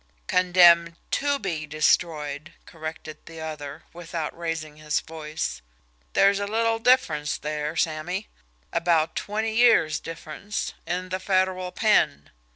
"Condemned TO BE destroyed," corrected the other, without raising his voice. "There's a little difference there, Sammy about twenty years' difference in the Federal pen.